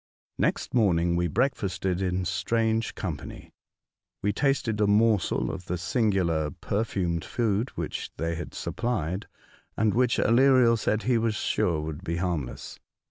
NEXT morning we breakfasted in strango company. We tasted a morsel of the singular perfumed food whicli they had supplied, and which Aleriel said he was sure would be harmless.